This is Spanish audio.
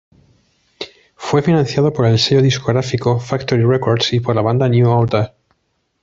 Fue financiado por el sello discográfico Factory Records y por la banda New Order.